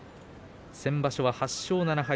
先場所は８勝７敗